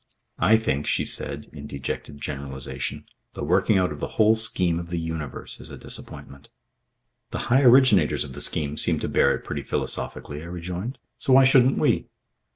"I think," she said, in dejected generalisation, "the working out of the whole scheme of the universe is a disappointment." "The High Originators of the scheme seem to bear it pretty philosophically," I rejoined; "so why shouldn't we?"